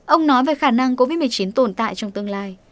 ông nói về khả năng covid một mươi chín tồn tại trong tương lai